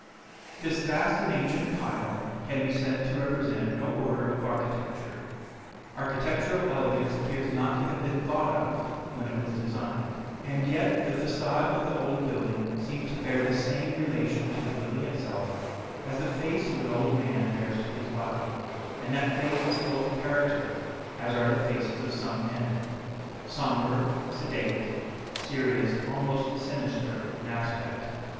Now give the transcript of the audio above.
This vast and ancient pile can be said to represent no order of architecture. Architectural elegance appears not to have been thought of when it was designed, and yet the façade of the old building seems to bear the same relation to the building itself as the face of an old man bears to his body, and that face is full of character, as are the faces of some men sombre, sedate, serious, almost sinister in aspect.